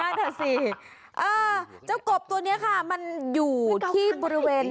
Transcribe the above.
อ่ะสิเจ้ากบตัวนี้ค่ะมันอยู่ที่บริเวณ